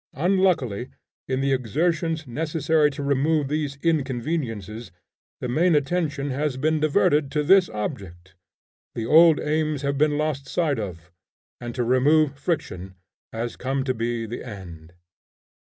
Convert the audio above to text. Unluckily, in the exertions necessary to remove these inconveniences, the main attention has been diverted to this object; the old aims have been lost sight of, and to remove friction has come to be the end.